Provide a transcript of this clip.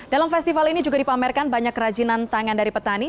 dalam festival ini juga dipamerkan banyak kerajinan tangan dari petani